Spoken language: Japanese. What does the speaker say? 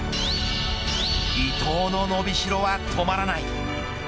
伊東の伸びしろは止まらない。